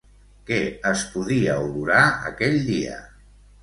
Què es podia olorar aquell dia?